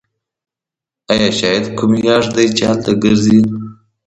یا شاید کوم یاږ دی چې هلته ګرځي